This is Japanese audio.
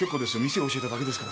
店教えただけですから。